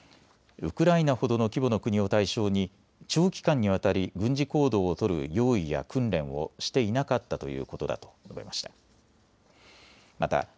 ウクライナほどの規模の国を対象に長期間にわたり軍事行動を取る用意や訓練をしていなかったということだと述べました。